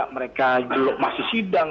mereka masih sidang